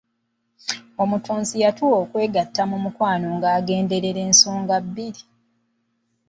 Omutonzi yatuwa okwegatta mu mukwano nga agenderera ensonga bbiri.